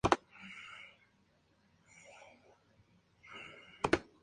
El sitio está conformado por complejos arquitectónicos con vinculaciones cercanas.